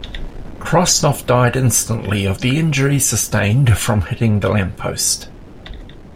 Krosnoff died instantly of the injuries sustained from hitting the lamp post.